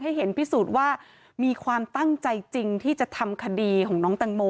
เห็นพิสูจน์ว่ามีความตั้งใจจริงที่จะทำคดีของน้องแตงโม